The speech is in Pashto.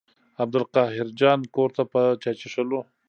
عبدالقاهر جان کور ته چای څښلو.